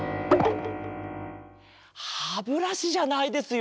ハブラシじゃないですよ。